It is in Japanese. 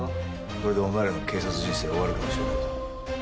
これでお前らの警察人生が終わるかもしれないぞ。